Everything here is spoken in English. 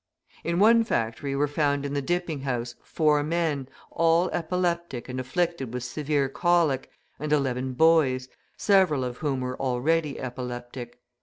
In one factory were found in the dipping house four men, all epileptic and afflicted with severe colic, and eleven boys, several of whom were already epileptic.